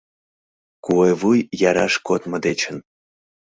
Куэ вуй яраш кодмо дечын